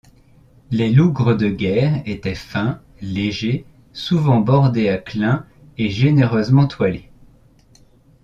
Les lougres de guerre étaient fins, légers, souvent bordés à clins et généreusement toilés.